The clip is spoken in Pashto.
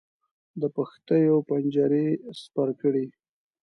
د پښتیو پنجرې سپر کړې.